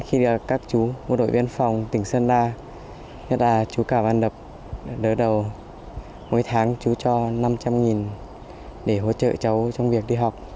khi các chú bộ đội biên phòng tỉnh sơn la nhất là chú cà văn đập đỡ đầu mỗi tháng chú cho năm trăm linh để hỗ trợ cháu trong việc đi học